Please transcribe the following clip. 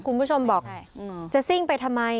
คุณผู้ชมบอกจะซิ่งไปทำไม